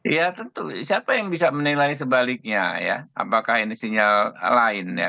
ya tentu siapa yang bisa menilai sebaliknya ya apakah ini sinyal lain ya